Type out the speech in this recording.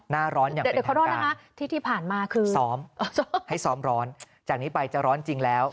หน้าร้อนอย่างเป็นทางการสอมให้สอมร้อนจากนี้ไปจะร้อนจริงแล้ว